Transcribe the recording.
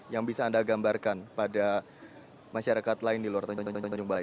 yang bisa anda gambarkan pada masyarakat lain di luar tanjung tanjung balai